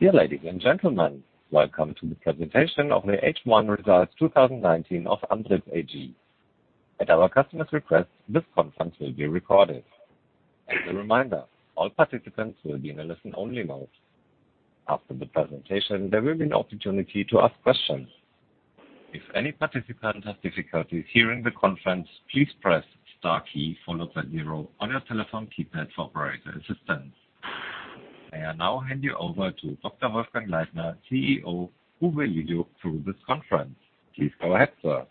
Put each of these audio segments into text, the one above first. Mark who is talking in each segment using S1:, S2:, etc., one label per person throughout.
S1: Dear ladies and gentlemen, welcome to the presentation of the H1 results 2019 of Andritz AG. At our customer's request, this conference will be recorded. As a reminder, all participants will be in a listen-only mode. After the presentation, there will be an opportunity to ask questions. If any participant has difficulties hearing the conference, please press star key followed by zero on your telephone keypad for operator assistance. I will now hand you over to Dr. Wolfgang Leitner, CEO, who will lead you through this conference. Please go ahead, sir.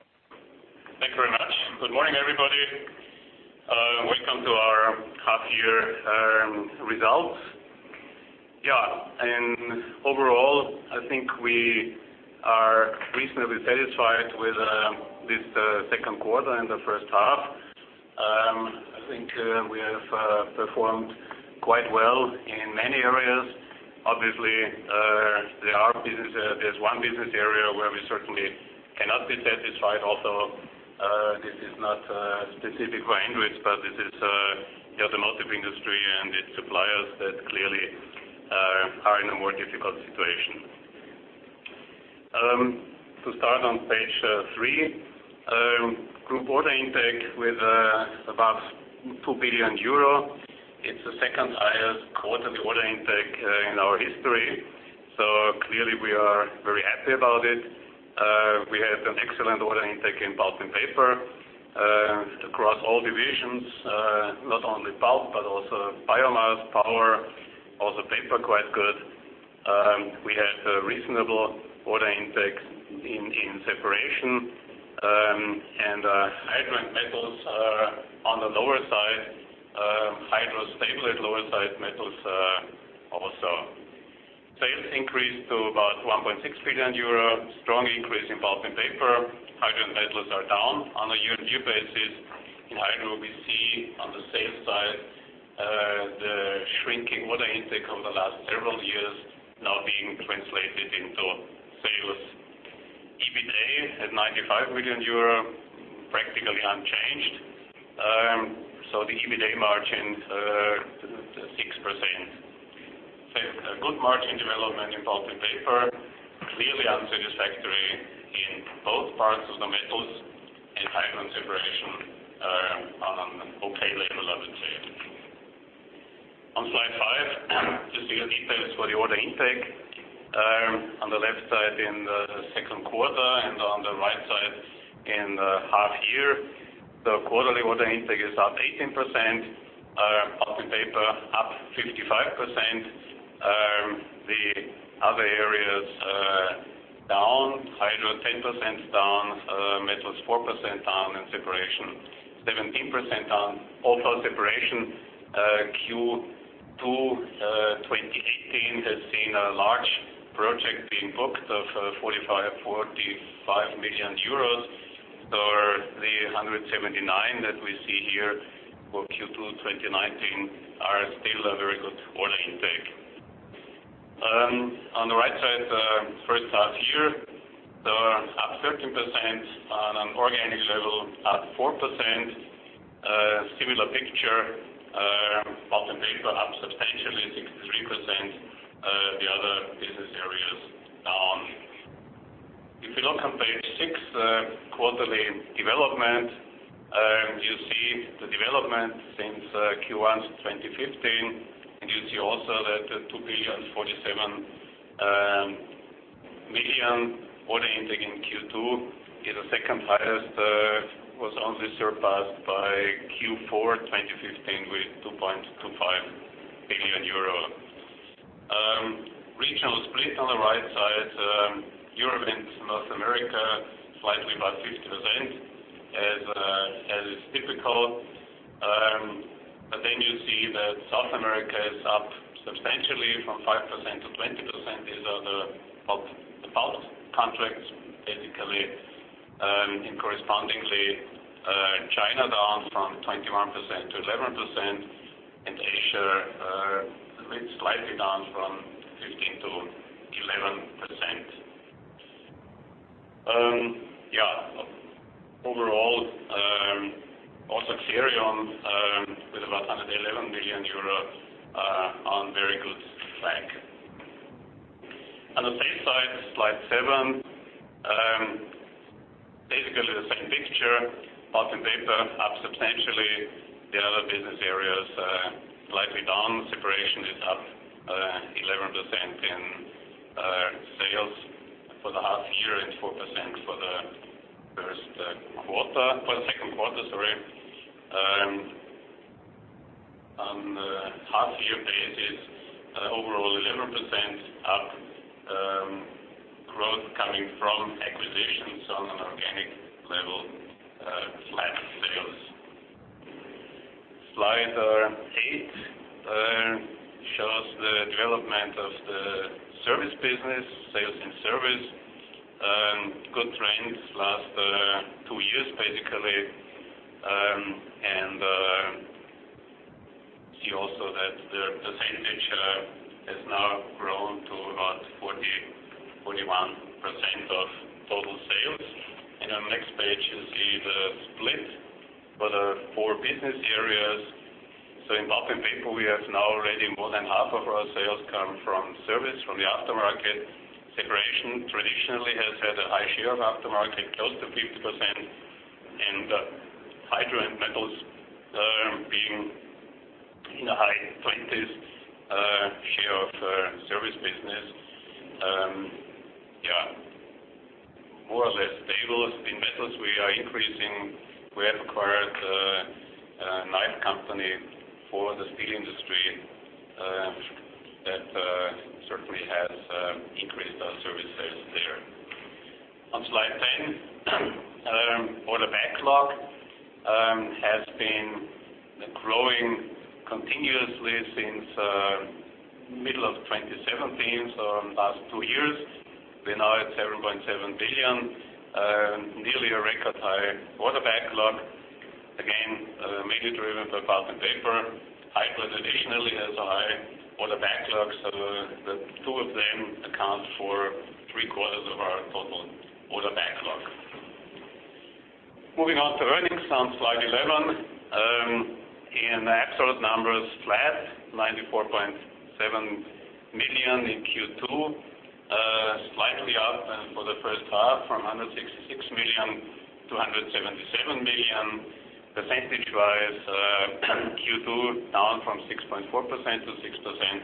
S2: Thank you very much. Good morning, everybody. Welcome to our half year results. Overall, I think we are reasonably satisfied with this second quarter and the first half. I think we have performed quite well in many areas. Obviously, there's one business area where we certainly cannot be satisfied, although this is not specific for Andritz. This is the automotive industry and its suppliers that clearly are in a more difficult situation. To start on page three, group order intake with about 2 billion euro. It's the second highest quarterly order intake in our history. Clearly we are very happy about it. We had an excellent order intake in Pulp & Paper across all divisions. Not only pulp, but also biomass, power, also paper, quite good. We had a reasonable order intake in Separation and Hydro and Metals are on the lower side. Hydro stable at lower side. Metals also. Sales increased to about 1.6 billion euro. Strong increase in Pulp & Paper. Hydro and Metals are down on a year-on-year basis. In Hydro, we see on the sales side, the shrinking order intake over the last several years now being translated into sales. EBITA at EUR 95 million, practically unchanged. The EBITA margin 6%. A good margin development in Pulp & Paper. Clearly unsatisfactory in both parts of the Metals and Hydro and Separation. On an okay level, I would say. On slide five, you see the details for the order intake. On the left side in the second quarter and on the right side in the half year. The quarterly order intake is up 18%, Pulp & Paper up 55%. The other areas down. Hydro 10% down, Metals 4% down, and Separation 17% down. Separation Q2 2018 had seen a large project being booked of 45 million euros. The 179 million that we see here for Q2 2019 are still a very good order intake. On the right side, the first half year, up 13% on an organic level, up 4%. Similar picture. Pulp & Paper up substantially, 63%. The other business areas down. If you look on page six, quarterly development. You see the development since Q1 2015. You see also that 2.047 billion order intake in Q2 is the second highest. Was only surpassed by Q4 2015 with 2.25 billion euro. Regional split on the right side. Europe and North America, slightly about 50% as is typical. You see that South America is up substantially from 5% to 20%. These are the pulp contracts, basically. Correspondingly, China down from 21% to 11%. Asia slightly down from 15% to 11%. Overall, also Xerium with about 111 million euros on very good track. On the same side, slide seven. Basically the same picture. Pulp & Paper up substantially, the other business areas slightly down. Separation is up 11% in sales for the half year and 4% for the second quarter. On the half year basis, overall 11% up. Growth coming from acquisitions on an organic level, flat sales. Slide eight shows the development of the service business, sales and service. Good trends last two years, basically. See also that the same picture has now grown for business areas. In Pulp & Paper, we have now already more than half of our sales come from service from the aftermarket. Separation traditionally has had a high share of aftermarket, close to 50%, and Hydro and Metals being in the high 20s share of service business. More or less stable. In Metals, we are increasing. We have acquired a nice company for the steel industry that certainly has increased our service sales there. On slide 10, order backlog has been growing continuously since middle of 2017, so in the last two years. We're now at 7.7 billion, nearly a record high order backlog. Mainly driven by Pulp and Paper. Hydro traditionally has a high order backlog. The two of them account for three-quarters of our total order backlog. Moving on to earnings on slide 11. In absolute numbers, flat 94.7 million in Q2. Slightly up for the first half from 166 million to 177 million. Percentage-wise, Q2 down from 6.4% to 6%,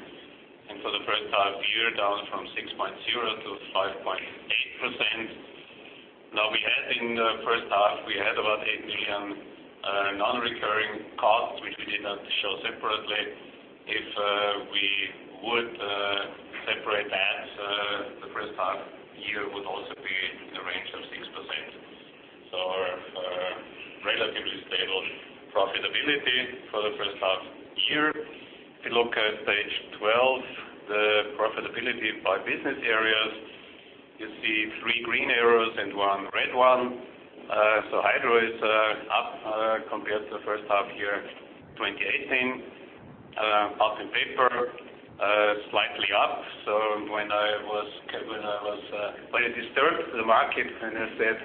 S2: and for the first half of the year, down from 6.0% to 5.8%. Now, we had in the first half, we had about 8 million non-recurring costs, which we did not show separately. If we would separate that, the first half of the year would also be in the range of 6%. Our relatively stable profitability for the first half of the year. If you look at page 12, the profitability by business areas, you see three green arrows and one red one. Hydro is up compared to the first half year of 2018. Pulp and Paper, slightly up. When I disturbed the market and I said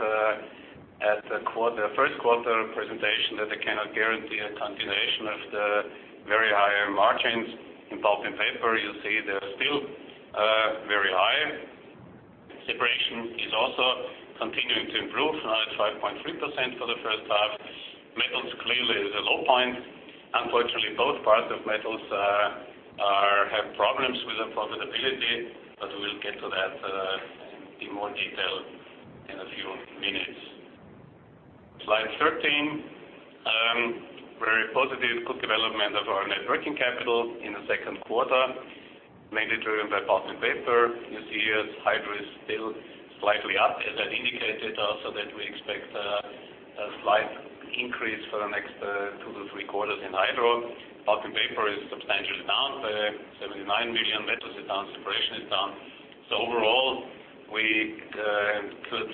S2: at the first quarter presentation that I cannot guarantee a continuation of the very high margins in Pulp and Paper, you see they're still very high. Separation is also continuing to improve. Now at 5.3% for the first half. Metals clearly is a low point. Unfortunately, both parts of Metals have problems with the profitability, but we'll get to that in more detail in a few minutes. Slide 13. Very positive good development of our net working capital in the second quarter, mainly driven by Pulp and Paper. You see here Hydro is still slightly up, as I've indicated also that we expect a slight increase for the next two to three quarters in Hydro. Pulp and Paper is substantially down, 79 million. Metals is down. Separation is down. Overall, we could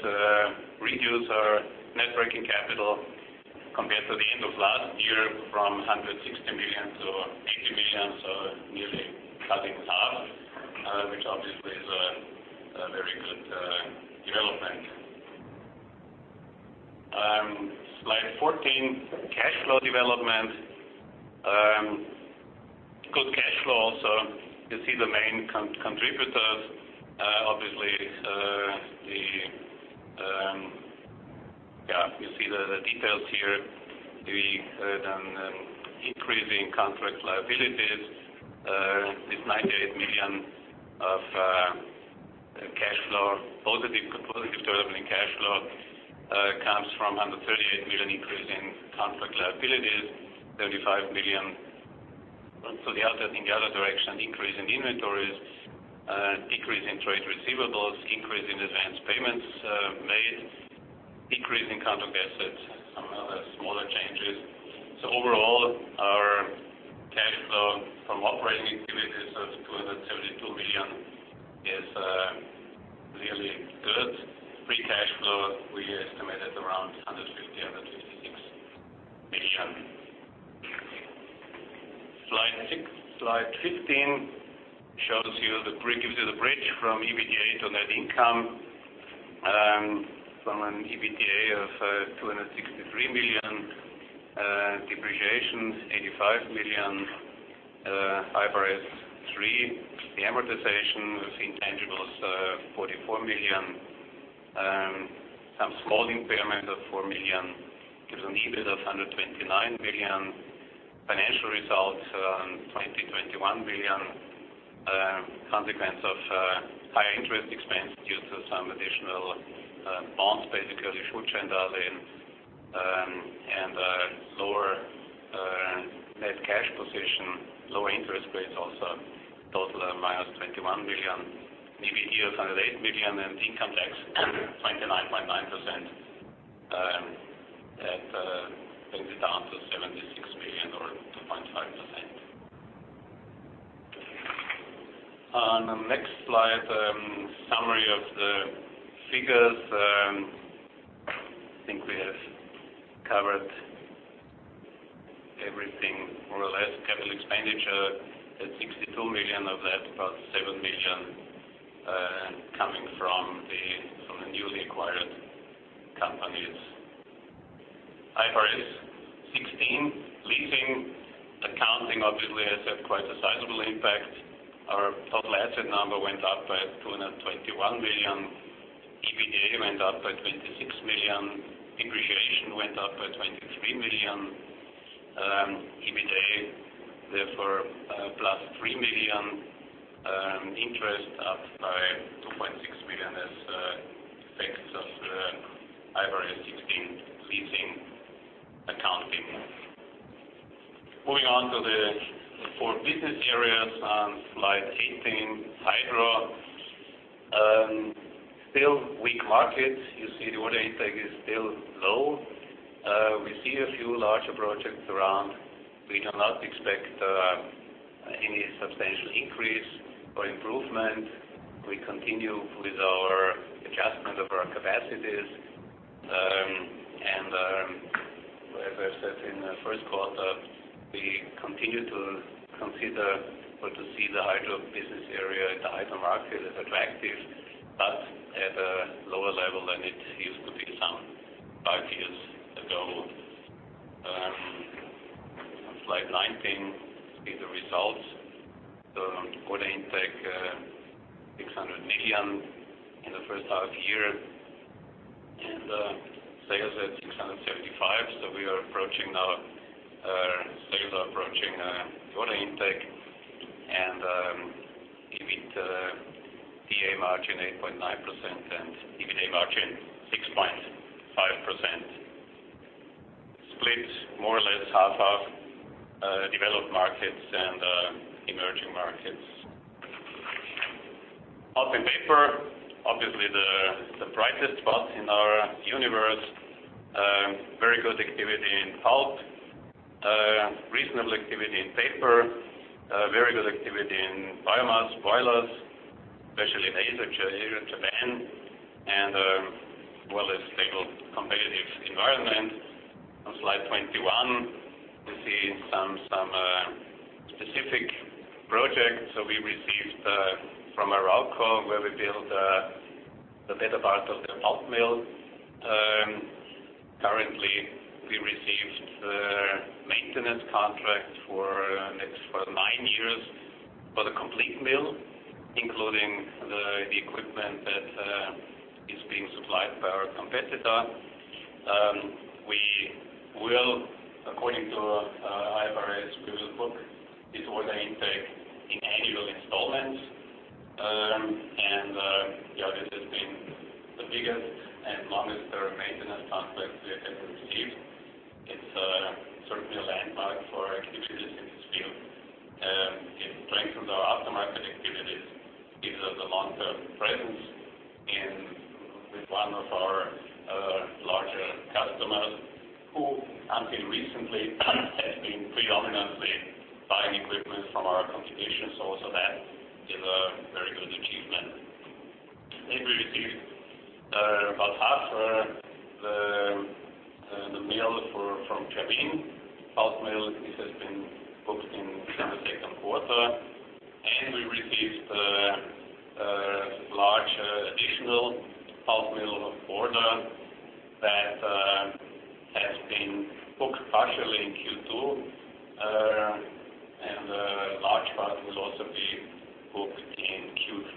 S2: reduce our net working capital compared to the end of last year from 160 million to 80 million. Nearly cutting it in half, which obviously is a very good development. Slide 14, cash flow development. Good cash flow also. You see the main contributors. Obviously, you see the details here. The increasing contract liabilities. This 98 million of positive operating cash flow comes from 138 million increase in contract liabilities, 35 million. The other, in the other direction, increase in inventories, a decrease in trade receivables, increase in advance payments made, decrease in contract assets, some other smaller changes. Overall, our cash flow from operating activities of EUR 272 million is really good. Free cash flow, we estimate at around 150 million-156 million. Slide 15 shows you the bridge from EBITDA to net income. From an EBITDA of 263 million, depreciation 85 million. IFRS 3, the amortization of intangibles, 44 million. Some small impairment of 4 million gives an EBIT of 129 million. Financial results, 20 million-21 million. A consequence of higher interest expense due to some additional bonds. On the next slide, a summary of the figures. I think we have covered more or less capital expenditure at 62 million. Of that, about 7 million coming from the newly acquired companies. IFRS 16 leasing accounting obviously has had quite a sizable impact. Our total asset number went up by 221 million. EBITDA went up by 26 million. Depreciation went up by 23 million. EBITA, therefore, plus 3 million. Interest up by 2.6 million as effects of IFRS 16 leasing accounting. Moving on to the four business areas on slide 18, Hydro. Still weak market. You see the order intake is still low. We see a few larger projects around. We do not expect any substantial increase or improvement. We continue with our adjustment of our capacities. As I said in the first quarter, we continue to consider or to see the Hydro business area and the Hydro market as attractive, at a lower level than it used to be some five years ago. Slide 19, you see the results. The order intake, 600 million in the first half year sales at 675. We are approaching now. Sales are approaching order intake EBITDA margin 8.9% EBITA margin 6.5%. Split more or less 50/50 developed markets and emerging markets. Pulp & Paper, obviously the brightest spot in our universe. Very good activity in pulp. Reasonable activity in paper. Very good activity in biomass boilers, especially in Asia, China, and Japan. Well, a stable competitive environment. On slide 21, you see some specific projects. We received from Arauco, where we built the better part of the pulp mill. Currently, we received the maintenance contract for the next nine years for the complete mill, including the equipment that is being supplied by our competitor. We will, according to IFRS, we will book this order intake in annual installments. Yeah, this has been the biggest and longest maintenance contract we have received. It's certainly a landmark for activities in this field. It strengthens our aftermarket activities, gives us a long-term presence with one of our larger customers, who until recently has been predominantly buying equipment from our competition. Also that is a very good achievement. We received about half the mill from Klabin. Pulp mill. This has been booked in the second quarter, and we received a large additional pulp mill order that has been booked partially in Q2. A large part will also be booked in Q3.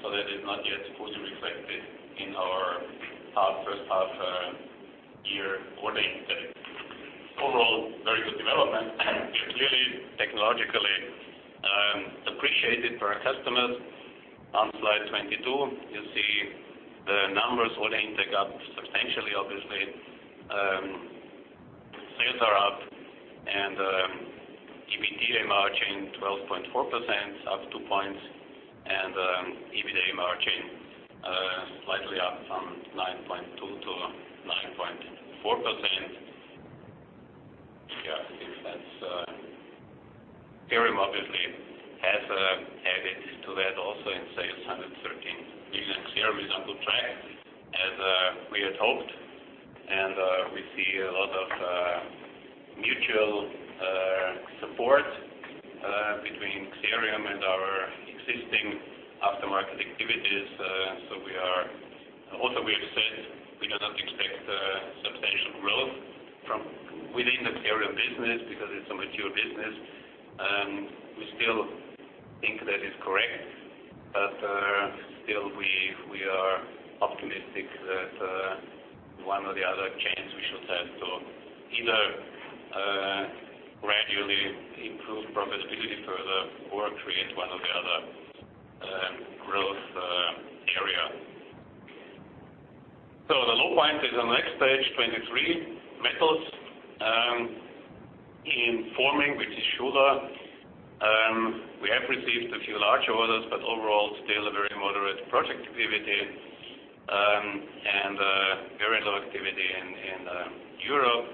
S2: That is not yet fully reflected in our first half year order intake. Overall, very good development. It's really technologically appreciated for our customers. On slide 22, you see the numbers. Order intake up substantially, obviously. Sales are up and EBITDA margin 12.4%, up two points. EBITA margin slightly up from 9.2 to 9.4%. Yeah, I think Xerium obviously has added to that also in sales EUR 113 million. Xerium is on good track as we had hoped. We see a lot of mutual support between Xerium and our existing aftermarket activities. Also we have said we do not expect substantial growth from within the Xerium business because it's a mature business. We still think that is correct, but still we are optimistic that one or the other chance we should have to either gradually improve profitability further or create one or the other growth area. The low point is on the next page, 23. Metals. In Forming, which is Schuler, we have received a few large orders, but overall still a very moderate project activity. Very low activity in Europe.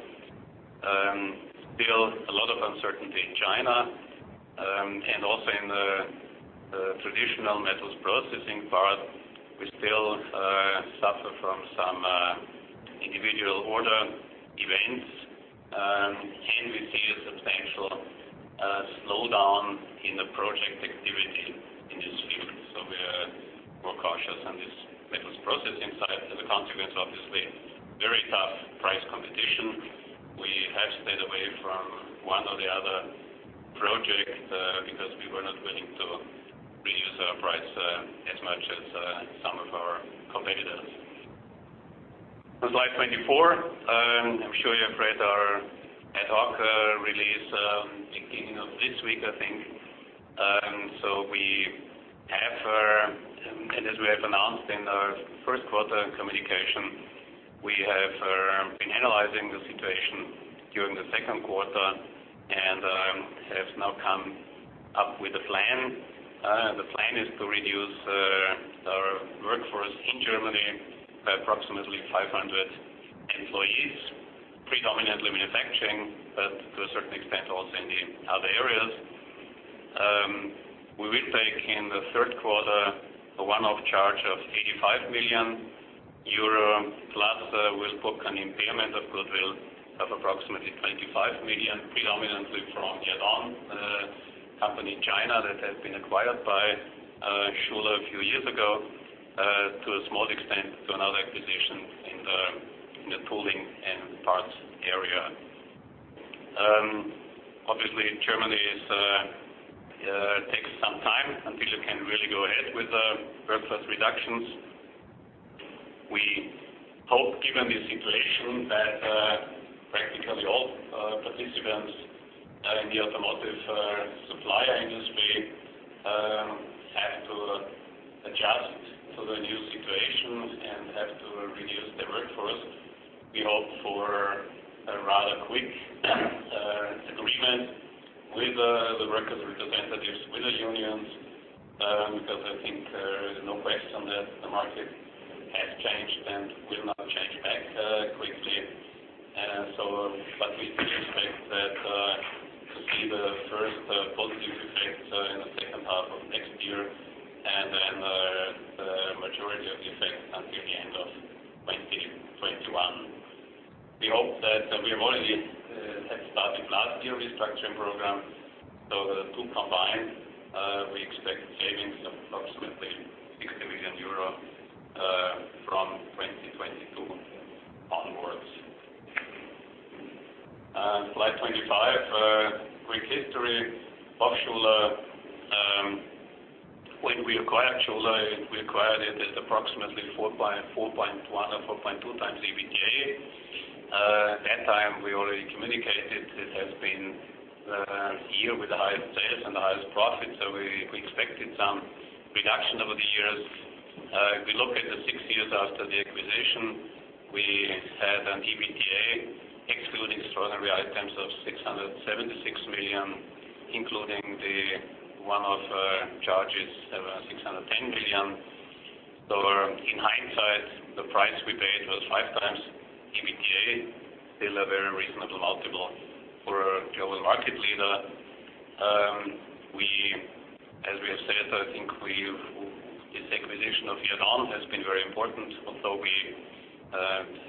S2: Still a lot of uncertainty. Traditional metals processing part, we still suffer from some individual order events. Can we see a substantial slowdown in the project activity in this field? We are more cautious on this metals processing side. As a consequence, obviously, very tough price competition. We have stayed away from one or the other project because we were not willing to reduce our price as much as some of our competitors. Slide 24. I'm sure you have read our ad hoc release beginning of this week, I think. As we have announced in our first quarter communication, we have been analyzing the situation during the second quarter and have now come up with a plan. The plan is to reduce our workforce in Germany by approximately 500 employees, predominantly manufacturing, but to a certain extent also in the other areas. We will take in the third quarter a one-off charge of 85 million euro, plus we'll book an impairment of goodwill of approximately 25 million, predominantly from Yadon, a company in China that has been acquired by Schuler a few years ago, to a small extent to another acquisition in the tooling and parts area. Obviously, Germany takes some time until you can really go ahead with workforce reductions. We hope, given the situation, that practically all participants in the automotive supplier industry have to adjust to the new situation and have to reduce their workforce. We hope for a rather quick agreement with the workers representatives, with the unions, because I think there is no question that the market has changed and will not change back quickly. We do expect to see the first positive effect in the second half of next year, and then the majority of the effects until the end of 2021. We already had started last year restructuring program, so the two combined, we expect savings of approximately 60 million euro from 2022 onwards. Slide 25. Quick history of Schuler. When we acquired Schuler, we acquired it at approximately 4.1 or 4.2 times EBITDA. At that time, we already communicated it has been the year with the highest sales and the highest profit. We expected some reduction over the years. If we look at the six years after the acquisition, we had an EBITDA excluding extraordinary items of 676 million, including the one-off charges that were 610 million. In hindsight, the price we paid was five times EBITDA. Still a very reasonable multiple for a global market leader. As we have said, I think this acquisition of Yadon has been very important, although we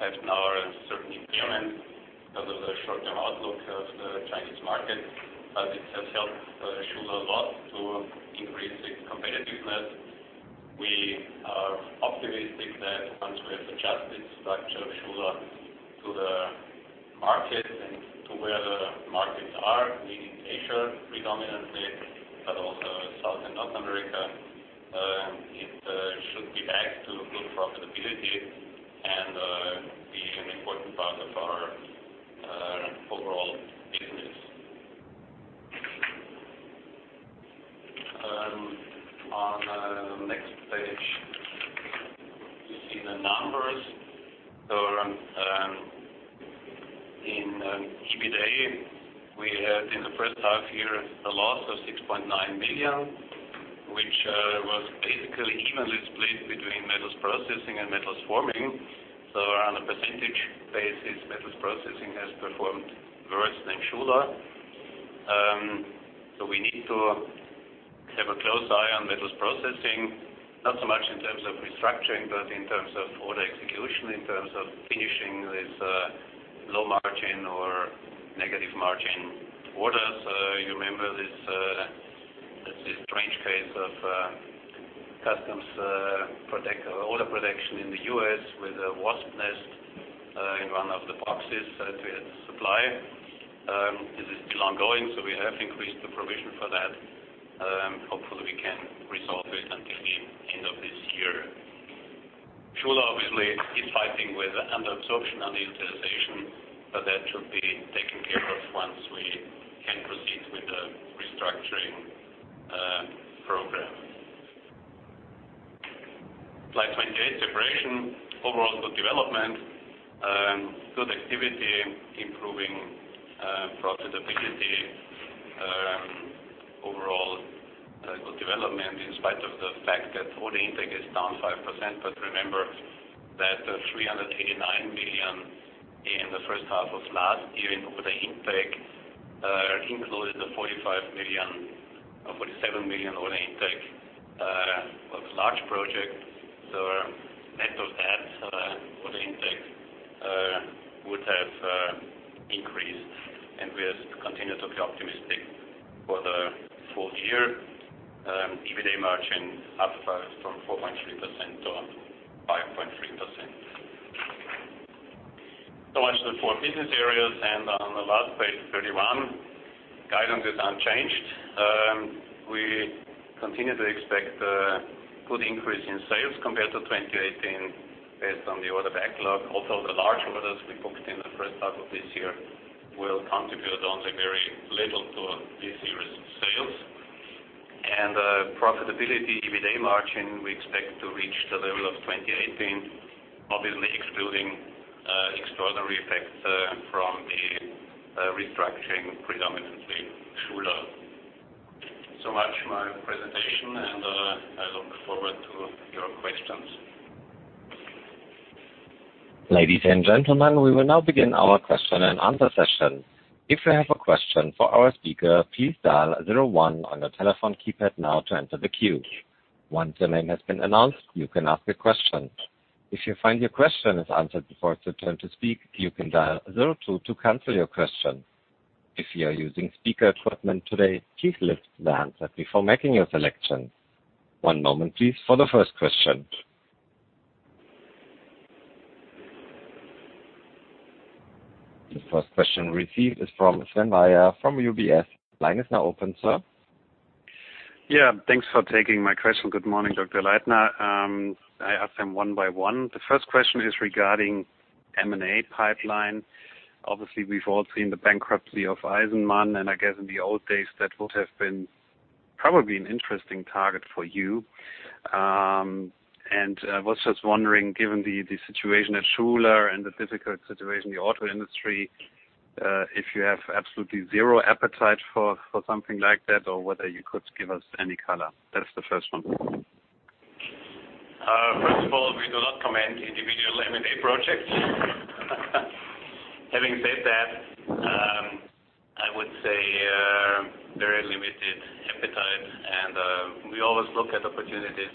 S2: have now a certain impairment because of the short-term outlook of the Chinese market. It has helped Schuler a lot to increase its competitiveness. We are optimistic that once we have adjusted structure of Schuler to the market and to where the markets are, meaning Asia predominantly, but also South and North America, it should be back to good profitability and be an important part of our overall business. On next page, you see the numbers. In EBITDA, we had in the first half year a loss of 6.9 million, which was basically evenly split between Metals Processing and Metals Forming. On a percentage basis, Metals Processing has performed worse than Schuler. We need to have a close eye on Metals Processing, not so much in terms of restructuring, but in terms of order execution, in terms of finishing this low margin or negative margin orders. You remember this strange case of Customs and Border Protection in the U.S. with a wasp nest in one of the boxes that we had to supply. This is still ongoing, so we have increased the provision for that. Hopefully, we can resolve it until the end of this year. Schuler obviously is fighting with under absorption, underutilization. That should be taken care of once we can proceed with the restructuring program. Slide 28. Separation. Overall good development. Good activity, improving profitability. Overall good development in spite of the fact that order intake is down 5%. Remember that 380 in the first half of last year, with the intake included the $45 million or $47 million order intake of large projects. Net of that order intake would have increased, and we continue to be optimistic for the full year. EBITDA margin up from 4.3% to 5.3%. Much for the four business areas, and on the last page, 31, guidance is unchanged. We continue to expect a good increase in sales compared to 2018 based on the order backlog. The large orders we booked in the first half of this year will contribute only very little to this year's sales. Profitability, EBITDA margin, we expect to reach the level of 2018, obviously excluding extraordinary effects from the restructuring, predominantly Schuler. Much my presentation, and I look forward to your questions.
S1: Ladies and gentlemen, we will now begin our question and answer session. If you have a question for our speaker, please dial zero one on your telephone keypad now to enter the queue. Once your name has been announced, you can ask a question. If you find your question is answered before it's your turn to speak, you can dial zero two to cancel your question. If you are using speaker equipment today, please lift the handset before making your selection. One moment please for the first question. The first question received is from Sven Weier from UBS. Line is now open, sir.
S3: Yeah, thanks for taking my question. Good morning, Dr. Leitner. I ask them one by one. The first question is regarding M&A pipeline. Obviously, we've all seen the bankruptcy of Eisenmann, I guess in the old days that would have been probably an interesting target for you. I was just wondering, given the situation at Schuler and the difficult situation in the auto industry, if you have absolutely zero appetite for something like that or whether you could give us any color. That's the first one.
S2: First of all, we do not comment individual M&A projects. Having said that, I would say very limited appetite, and we always look at opportunities.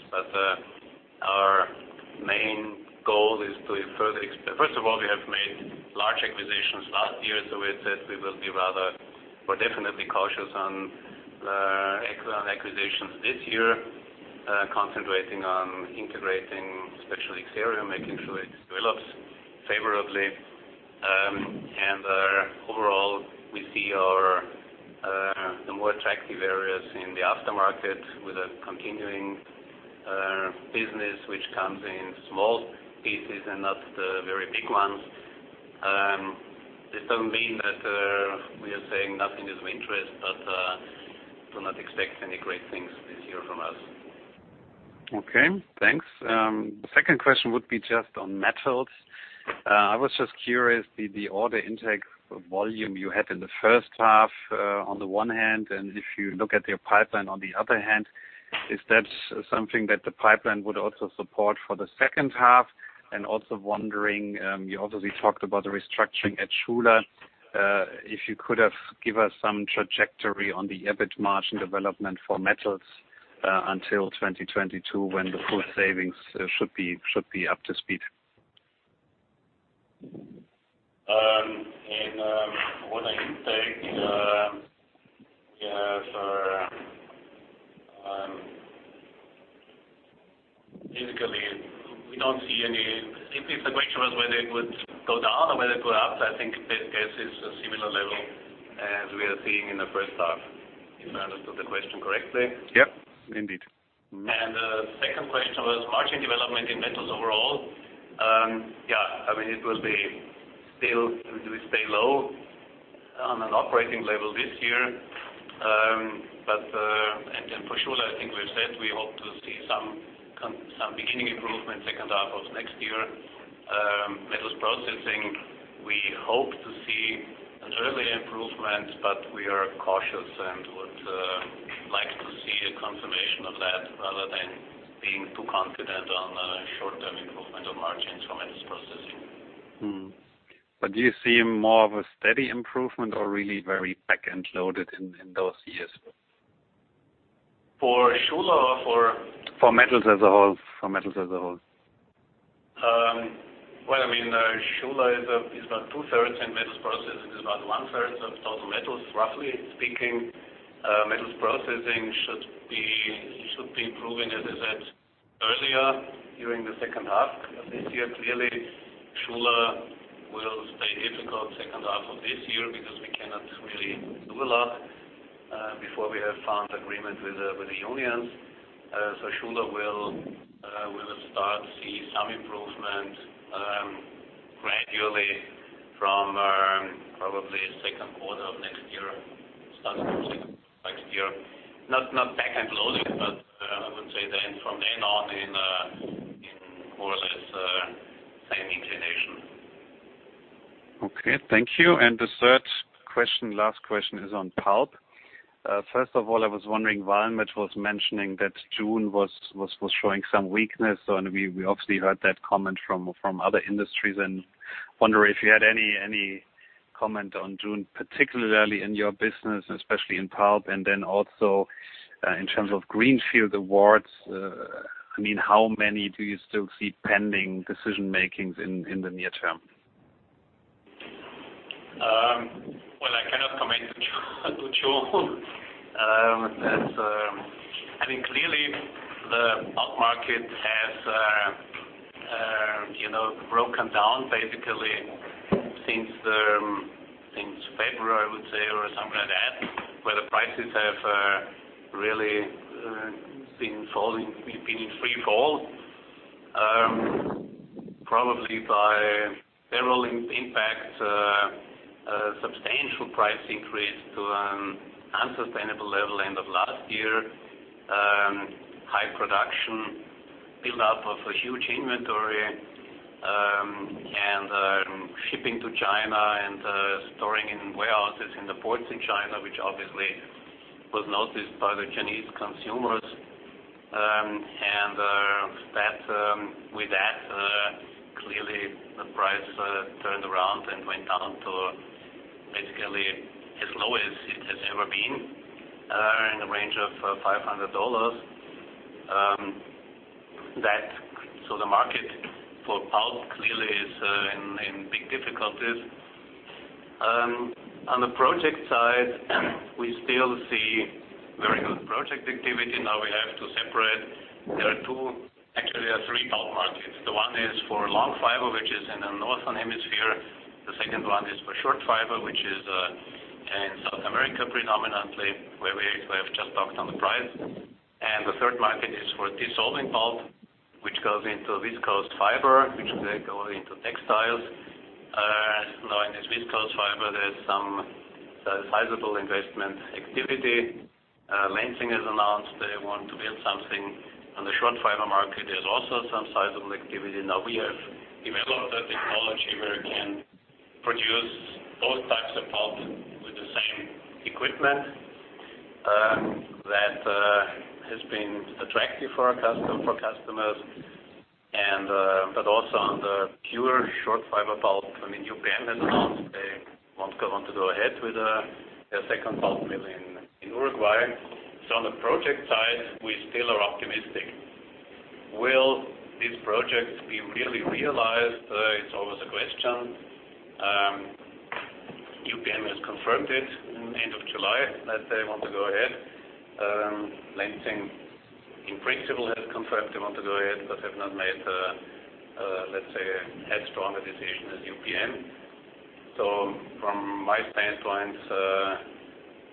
S2: First of all, we have made large acquisitions last year. We have said we will be rather, or definitely cautious on acquisitions this year, concentrating on integrating, especially Xerium, making sure it develops favorably. Overall, we see the more attractive areas in the aftermarket with a continuing business which comes in small pieces and not the very big ones. This doesn't mean that we are saying nothing is of interest, but do not expect any great things this year from us.
S3: Okay, thanks. The second question would be just on Metals. I was just curious, the order intake volume you had in the first half on the one hand, and if you look at your pipeline on the other hand, is that something that the pipeline would also support for the second half? Also wondering, you obviously talked about the restructuring at Schuler. If you could give us some trajectory on the EBIT margin development for Metals until 2022 when the full savings should be up to speed.
S2: In order intake, physically, if the question was whether it would go down or whether it go up, I think the guess is a similar level as we are seeing in the first half, if I understood the question correctly.
S3: Yep, indeed.
S2: The second question was margin development in Metals overall. It will stay low on an operating level this year. For Schuler, I think we've said we hope to see some beginning improvement second half of next year. Metals processing, we hope to see an early improvement, but we are cautious and would like to see a confirmation of that rather than being too confident on a short-term improvement of margins from Metals processing.
S3: Do you see more of a steady improvement or really very back-end loaded in those years?
S2: For Schuler.
S3: For Metals as a whole.
S2: Well, Schuler is about two-thirds and metals processing is about one-third of total metals, roughly speaking. Metals processing should be improving, as I said earlier, during the second half of this year. Clearly, Schuler will stay difficult second half of this year because we cannot really do a lot, before we have found agreement with the unions. Schuler will start to see some improvement gradually from probably second quarter of next year, starting from second quarter next year. Not back-end loading, but I would say then from then on in more or less same inclination.
S3: Okay, thank you. The third question, last question, is on pulp. First of all, I was wondering, Waldemar was mentioning that June was showing some weakness. We obviously heard that comment from other industries, and wonder if you had any comment on June, particularly in your business, especially in pulp. Also in terms of greenfield awards, how many do you still see pending decision-makings in the near term?
S2: Well, I cannot comment to June. I think clearly the pulp market has broken down basically since February, I would say, or something like that, where the prices have really been in free fall. Probably by several impacts, a substantial price increase to an unsustainable level end of last year. High production, build-up of a huge inventory, and shipping to China and storing in warehouses in the ports in China, which obviously was noticed by the Chinese consumers. With that, clearly the price turned around and went down to basically as low as it has ever been, in the range of $500. The market for pulp clearly is in big difficulties. On the project side, we still see very good project activity. Now we have to separate. There are two, actually there are three pulp markets. The one is for long fiber, which is in the northern hemisphere. The second one is for short fiber, which is in South America predominantly, where we have just knocked on the price. The third market is for dissolving pulp, which goes into viscose fiber, which then goes into textiles. In this viscose fiber, there is some sizable investment activity. Lenzing has announced they want to build something on the short fiber market. There's also some sizable activity. We have developed a technology where we can produce both types of pulp with the same equipment. That has been attractive for customers. Also on the pure short fiber pulp, UPM has announced they want to go ahead with their second pulp mill in Uruguay. On the project side, we still are optimistic. Will these projects be really realized? It's always a question. UPM has confirmed it end of July that they want to go ahead. Lenzing, in principle, has confirmed they want to go ahead but have not made, let's say, as strong a decision as UPM. From my standpoint,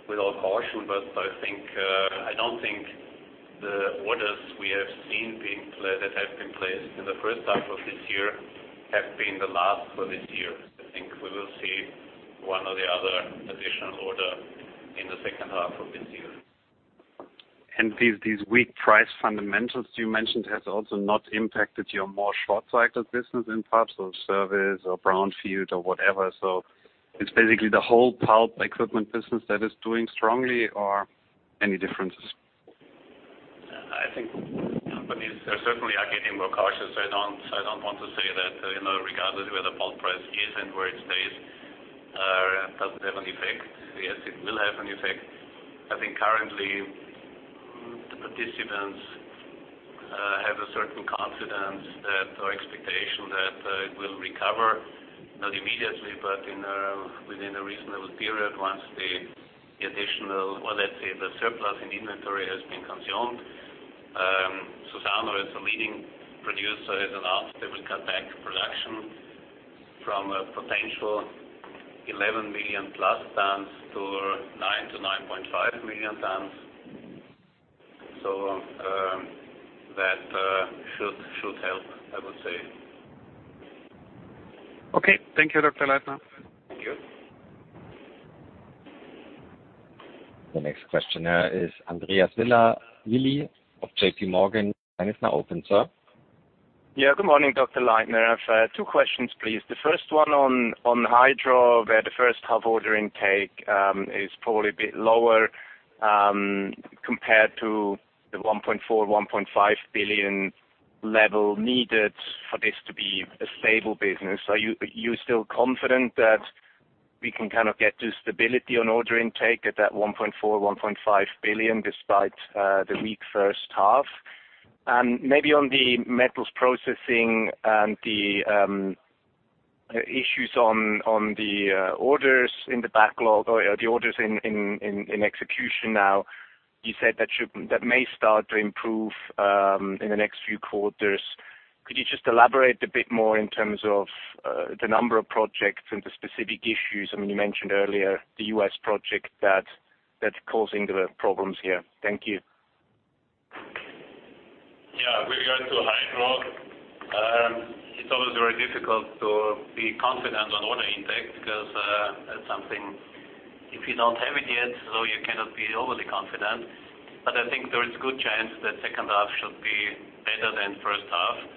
S2: with all caution, but I don't think the orders that have been placed in the first half of this year have been the last for this year. I think we will see one or the other additional order in the second half of this year.
S3: These weak price fundamentals you mentioned has also not impacted your more short-cycled business in pulp, so service or brown field or whatever. It's basically the whole pulp equipment business that is doing strongly or any differences?
S2: I think companies certainly are getting more cautious. I don't want to say that regardless where the pulp price is and where it stays, doesn't have an effect. Yes, it will have an effect. I think currently the participants have a certain confidence that, or expectation that it will recover, not immediately, but within a reasonable period once the additional, or let's say, the surplus in inventory has been consumed. Suzano as a leading producer has announced they will cut back production from a potential 11 million-plus tons to 9 to 9.5 million tons. That should help, I would say.
S3: Okay. Thank you, Dr. Leitner.
S2: Thank you.
S1: The next questioner is Andreas Willi of JPMorgan. Line is now open, sir.
S4: Yeah. Good morning, Dr. Leitner. I have two questions, please. The first one on Hydro, where the first half ordering intake is probably a bit lower compared to the 1.4 billion-1.5 billion level needed for this to be a stable business. Are you still confident that we can get to stability on order intake at that 1.4 billion-1.5 billion despite the weak first half? Maybe on the metals processing and the issues on the orders in the backlog or the orders in execution now, you said that may start to improve in the next few quarters. Could you just elaborate a bit more in terms of the number of projects and the specific issues? You mentioned earlier the U.S. project that's causing the problems here. Thank you.
S2: With regard to Hydro, it's always very difficult to be confident on order intake because that's something if you don't have it yet, you cannot be overly confident. I think there is a good chance that second half should be better than first half.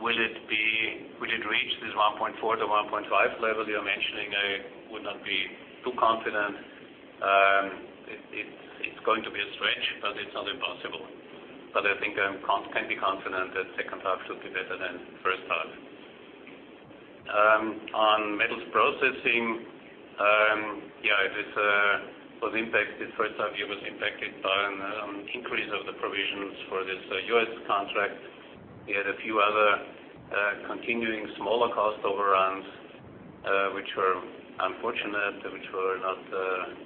S2: Will it reach this 1.4-1.5 level you're mentioning? I would not be too confident. It's going to be a stretch, it's not impossible. I think I can be confident that second half should be better than first half. On Metals processing, first half, it was impacted by an increase of the provisions for this U.S. contract. We had a few other continuing smaller cost overruns, which were unfortunate, and which were not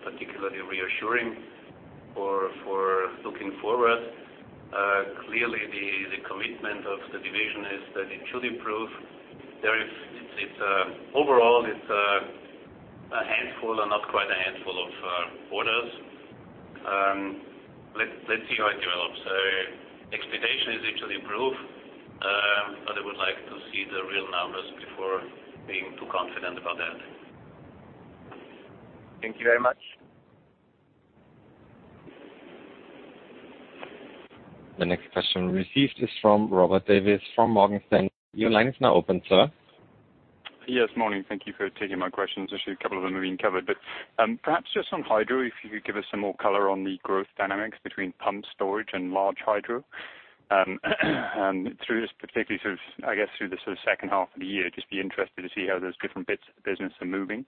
S2: particularly reassuring for looking forward. Clearly, the commitment of the division is that it should improve. Overall, it's a handful, or not quite a handful of orders. Let's see how it develops. Expectation is it should improve, but I would like to see the real numbers before being too confident about that.
S4: Thank you very much.
S1: The next question received is from Robert Davies from Morgan Stanley. Your line is now open, sir.
S5: Yes, morning. Thank you for taking my questions, actually, a couple of them have been covered. Perhaps just on Hydro, if you could give us some more color on the growth dynamics between pumped storage and large hydro. Through this particularly, I guess through the second half of the year, just be interested to see how those different bits of the business are moving.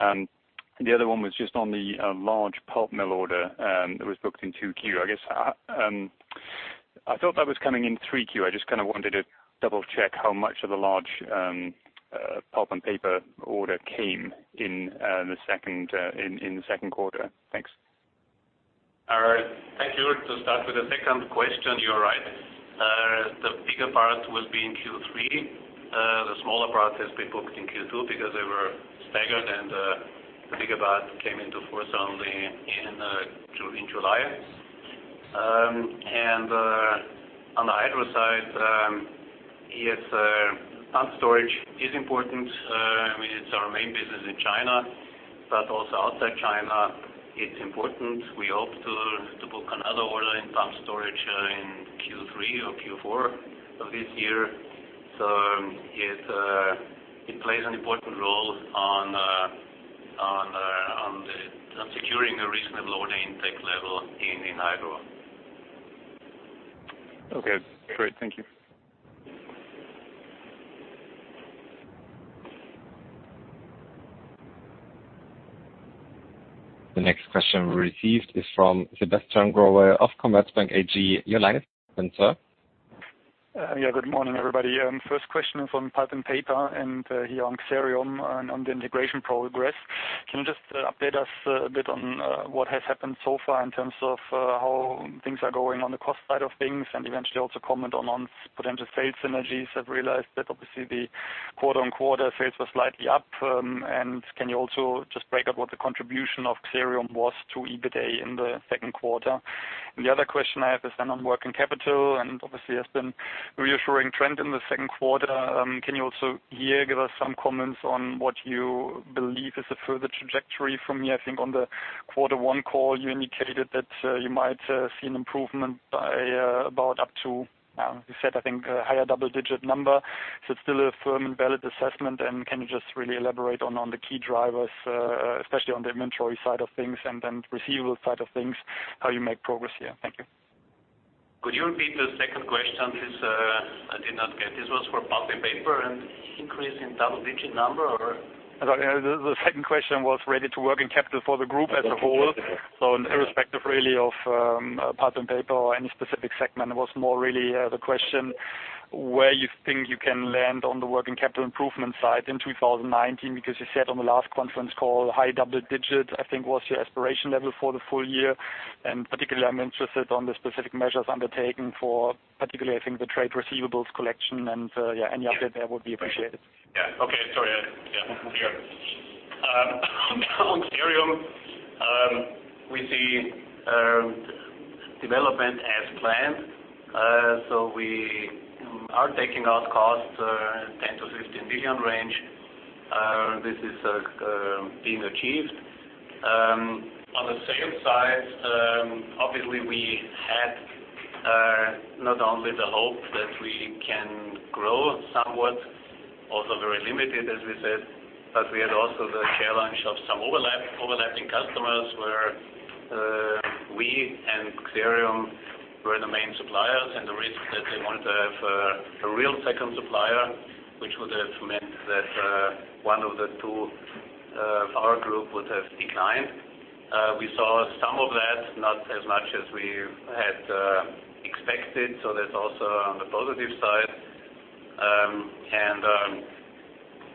S5: The other one was just on the large pulp mill order that was booked in 2Q. I guess, I thought that was coming in 3Q. I just wanted to double-check how much of the large Pulp & Paper order came in the second quarter. Thanks.
S2: All right. Thank you. To start with the second question, you're right. The bigger part will be in Q3. The smaller part has been booked in Q2 because they were staggered, and the bigger part came into force only in July. On the Hydro side, yes, pumped storage is important. I mean, it's our main business in China, but also outside China, it's important. We hope to book another order in pumped storage in Q3 or Q4 of this year. It plays an important role on securing a reasonable order intake level in Hydro.
S5: Okay, great. Thank you.
S1: The next question we received is from Sebastian Growe of Commerzbank AG. Your line is open, sir.
S6: Good morning, everybody. First question from Pulp & Paper, and here on Xerium and on the integration progress. Can you just update us a bit on what has happened so far in terms of how things are going on the cost side of things, and eventually also comment on potential sales synergies? I've realized that obviously the quarter-on-quarter sales were slightly up. Can you also just break up what the contribution of Xerium was to EBITDA in the second quarter? The other question I have is then on working capital. Obviously, it has been a reassuring trend in the second quarter. Can you also here give us some comments on what you believe is the further trajectory from here? I think on the quarter one call, you indicated that you might see an improvement by about up to, you said, I think, a higher double-digit number. It's still a firm and valid assessment. Can you just really elaborate on the key drivers, especially on the inventory side of things and then receivable side of things, how you make progress here? Thank you.
S2: Could you repeat the second question? I did not get. This was for Pulp & Paper and increase in double-digit number, or?
S6: Sorry. The second question was related to working capital for the group as a whole. Irrespective really of Pulp & Paper or any specific segment, it was more really the question, where you think you can land on the working capital improvement side in 2019, because you said on the last conference call, high double digits, I think, was your aspiration level for the full year. Particularly, I'm interested on the specific measures undertaken for, particularly, I think the trade receivables collection and, yeah, any update there would be appreciated.
S2: Clear. On Xerium, we see development as planned. We are taking out costs, 10 billion-15 billion range. This is being achieved. On the sales side, obviously we had not only the hope that we can grow somewhat, also very limited, as we said, but we had also the challenge of some overlapping customers where we and Xerium were the main suppliers and the risk that they want to have a real second supplier, which would have meant that one of the two, our group, would have declined. We saw some of that, not as much as we had expected. That's also on the positive side.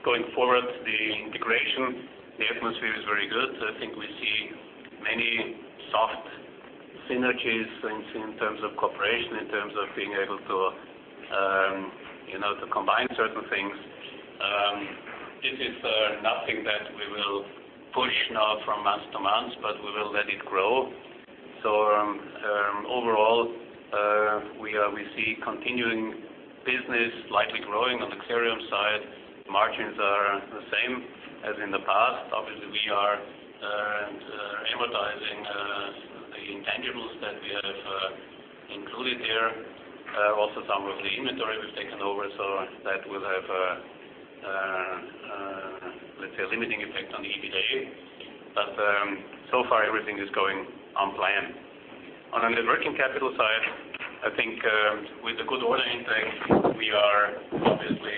S2: Going forward, the integration, the atmosphere is very good. I think we see many soft synergies in terms of cooperation, in terms of being able to combine certain things. This is nothing that we will push now from us to months, but we will let it grow. Overall, we see continuing business likely growing on the Xerium side. Margins are the same as in the past. Obviously, we have included here also some of the inventory we've taken over, that will have, let's say, a limiting effect on the EBITDA. So far everything is going on plan. On the working capital side, I think with the good order intake, we are obviously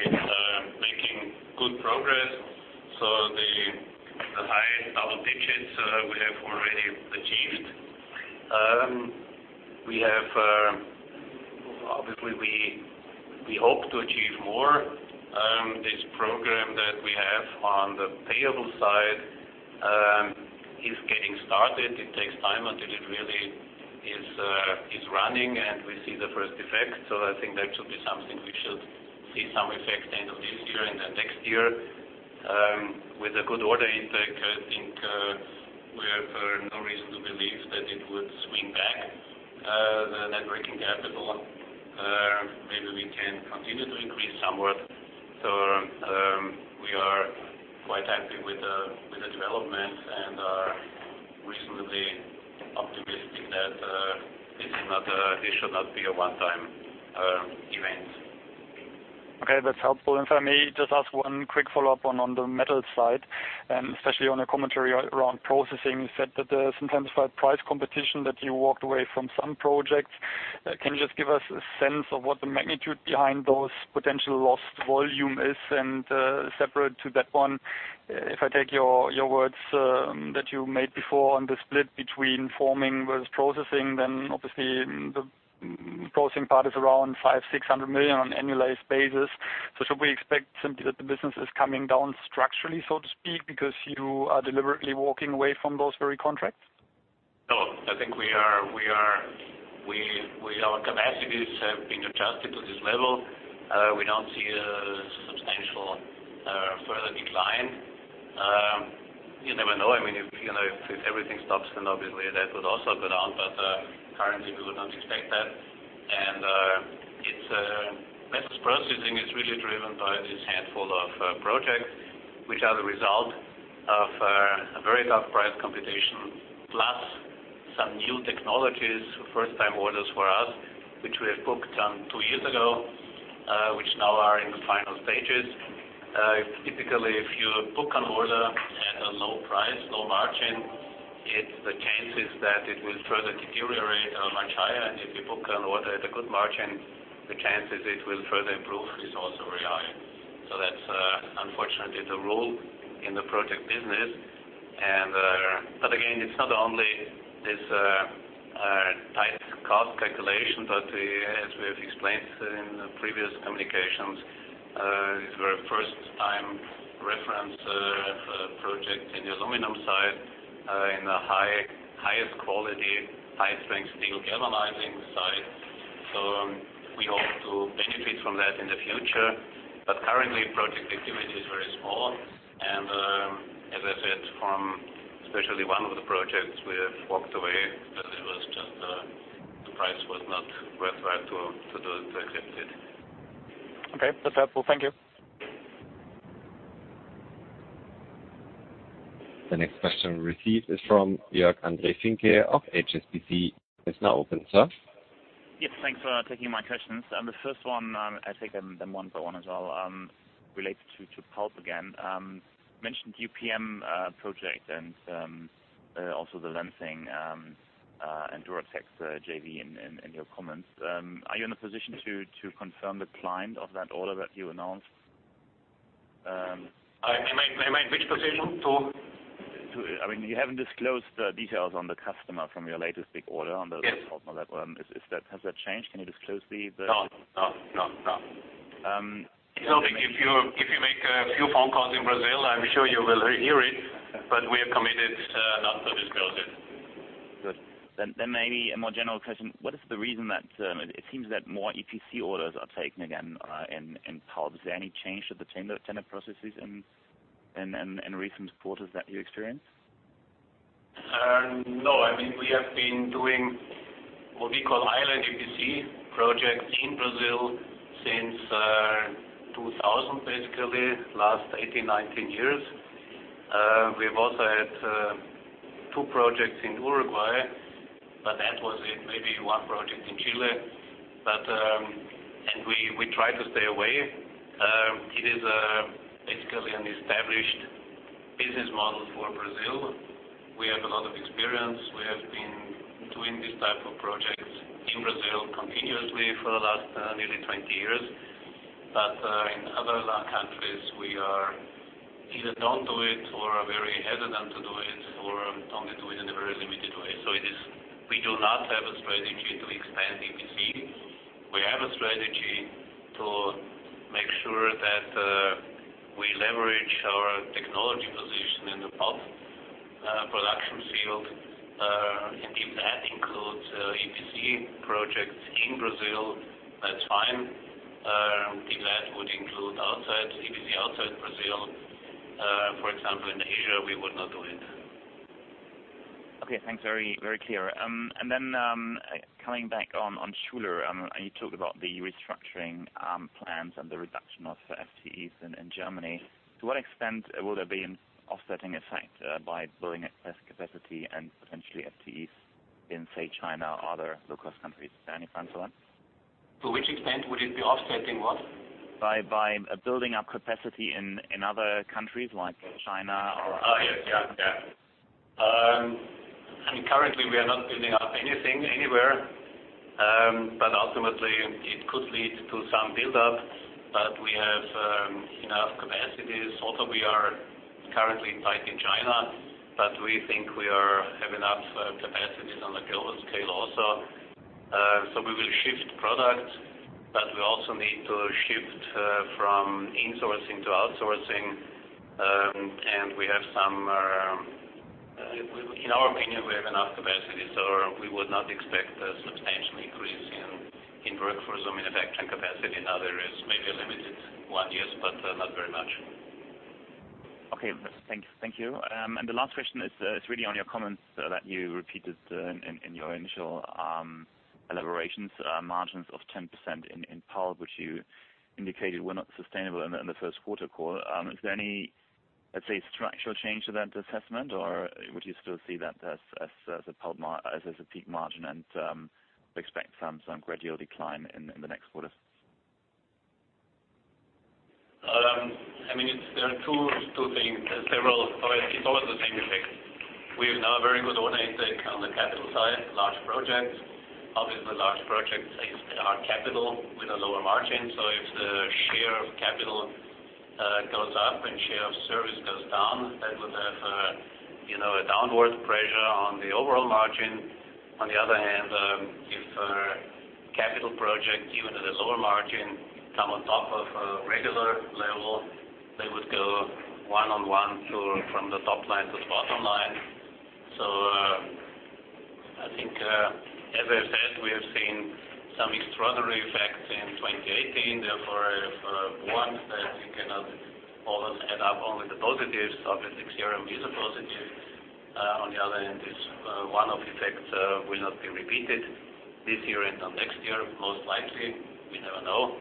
S2: making good progress. The high double digits we have already achieved. Obviously, we hope to achieve more. This program that we have on the payable side is getting started. It takes time until it really is running, and we see the first effect. I think that should be something we should see some effect end of this year, and then next year. With a good order intake, I think we have no reason to believe that it would swing back, the net working capital. Maybe we can continue to increase somewhat. We are quite happy with the developments and are reasonably optimistic that this should not be a one-time event.
S6: Okay, that's helpful. If I may just ask one quick follow-up on the Metals side, and especially on a commentary around processing. You said that there's intensified price competition, that you walked away from some projects. Can you just give us a sense of what the magnitude behind those potential lost volume is? Separate to that one, if I take your words that you made before on the split between Metals Forming versus processing, then obviously the processing part is around 500 million-600 million on annualized basis. Should we expect simply that the business is coming down structurally, so to speak, because you are deliberately walking away from those very contracts?
S2: I think our capacities have been adjusted to this level. We don't see a substantial further decline. You never know. If everything stops, obviously that would also go down. Currently we would not expect that. Metals processing is really driven by this handful of projects, which are the result of a very tough price competition, plus some new technologies, first-time orders for us, which we have booked two years ago, which now are in the final stages. Typically, if you book an order at a low price, low margin, the chances that it will further deteriorate are much higher. If you book an order at a good margin, the chances it will further improve is also very high. That's unfortunately the rule in the project business. Again, it's not only this tight cost calculation, but as we have explained in the previous communications, these were first-time reference projects in the aluminum side, in the highest quality, high-strength steel galvanizing side. We hope to benefit from that in the future. Currently, project activity is very small. As I said, from especially one of the projects we have walked away, because the price was not worthwhile to do it, to accept it.
S6: Okay. That's helpful. Thank you.
S1: The next question received is from Jörg-André Finke of HSBC. It's now open, sir.
S7: Yes, thanks for taking my questions. The first one, I take them one by one as well, relates to pulp again. You mentioned UPM project and also the Lenzing and Duratex JV in your comments. Are you in a position to confirm the client of that order that you announced?
S2: You mean, in which position?
S7: You haven't disclosed details on the customer from your latest big order.
S2: Yes.
S7: -pulp mill. Has that changed? Can you disclose the-
S2: No. If you make a few phone calls in Brazil, I'm sure you will hear it, but we have committed not to disclose it.
S7: Good. Maybe a more general question. What is the reason that it seems that more EPC orders are taken again in pulp? Is there any change to the tender processes in recent quarters that you experienced?
S2: No. We have been doing what we call island EPC projects in Brazil since 2000, basically. Last 18, 19 years. We've also had two projects in Uruguay, that was it. Maybe one project in Chile. We try to stay away. It is basically an established business model for Brazil. We have a lot of experience. We have been doing this type of projects in Brazil continuously for the last nearly 20 years. In other countries, we either don't do it or are very hesitant to do it, or only do it in a very limited way. We do not have a strategy to expand EPC. We have a strategy to make sure that we leverage our technology position in the pulp production field. If that includes EPC projects in Brazil, that's fine. If that would include EPC outside Brazil, for example, in Asia, we would not do it.
S7: Okay, thanks. Very clear. Coming back on Schuler. You talked about the restructuring plans and the reduction of FTEs in Germany. To what extent will there be an offsetting effect by building excess capacity and potentially FTEs in, say, China or other low-cost countries? Is there any plans for that?
S2: To which extent would it be offsetting what?
S7: By building up capacity in other countries like China.
S2: Yes. Currently, we are not building up anything anywhere, but ultimately it could lead to some build-up, but we have enough capacities. Also, we are currently tight in China, but we think we have enough capacities on a global scale also. We will shift products, but we also need to shift from insourcing to outsourcing. In our opinion, we have enough capacity, so we would not expect a substantial increase in workforce or manufacturing capacity. Now, there is maybe a limited one, yes, but not very much.
S7: Okay. Thank you. The last question is really on your comments that you repeated in your initial elaborations. Margins of 10% in pulp, which you indicated were not sustainable in the first quarter call. Is there any, let's say, structural change to that assessment? Or would you still see that as a peak margin and expect some gradual decline in the next quarters?
S2: There are two things. It's always the same effect. We have now a very good order intake on the capital side, large projects. Large projects take our capital with a lower margin. If the share of capital goes up and share of service goes down, that would have a downward pressure on the overall margin. On the other hand, if capital projects, even at a lower margin, come on top of a regular level, they would go one on one from the top line to the bottom line. I think, as I said, we have seen some extraordinary effects in 2018. For one, that we cannot always add up only the positives. Xerium is a positive. On the other hand, this one-off effect will not be repeated this year and next year, most likely. We never know.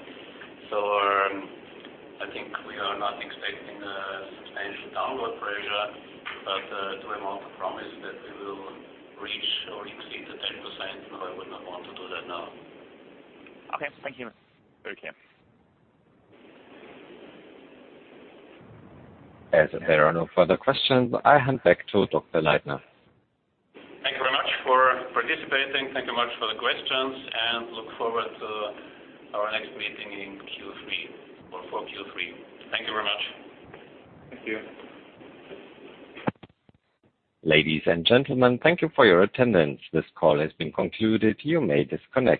S2: I think we are not expecting a substantial downward pressure. Do I want to promise that we will reach or exceed the 10%? No, I would not want to do that now.
S7: Okay. Thank you.
S1: As there are no further questions, I hand back to Dr. Leitner.
S2: Thank you very much for participating. Thank you much for the questions, and look forward to our next meeting in Q3 or for Q3. Thank you very much.
S7: Thank you.
S1: Ladies and gentlemen, thank you for your attendance. This call has been concluded. You may disconnect.